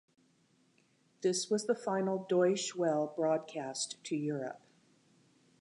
This was the final Deutsche Welle broadcast to Europe.